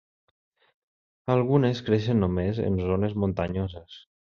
Algunes creixen només en zones muntanyoses.